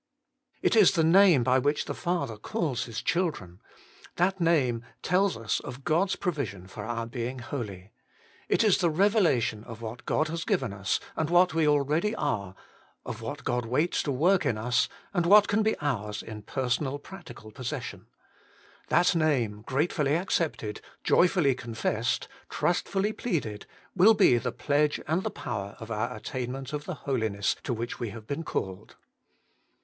It is the name by which the Father calls His children. That name tells us of God's provision for our being holy. It is the revelation of what God has given us, and what we already are ; of what God waits to work in us, and what can be ours in personal practical possession. That name, gratefully accepted, joyfully confessed, trustfully pleaded, will be the pledge and the power of our attainment of the Holiness to which we have been called.